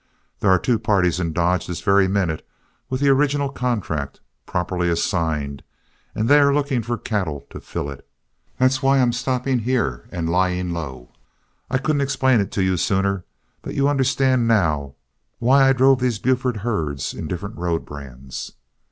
There are two parties in Dodge this very minute with the original contract, properly assigned, and they are looking for cattle to fill it. That's why I'm stopping here and lying low. I couldn't explain it to you sooner, but you understand now why I drove those Buford herds in different road brands.